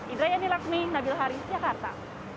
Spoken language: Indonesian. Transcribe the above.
idraya nilakmi nabil hari jakarta